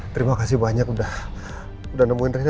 terima kasih banyak udah nemuin rencana